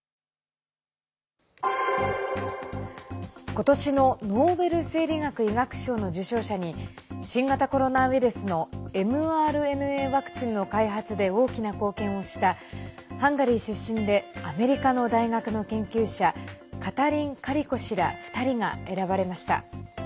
今年のノーベル生理学・医学賞の受賞者に新型コロナウイルスのｍＲＮＡワクチンの開発で大きな貢献をしたハンガリー出身でアメリカの大学の研究者カタリン・カリコ氏ら２人が選ばれました。